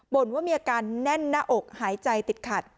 ่นว่ามีอาการแน่นหน้าอกหายใจติดขัด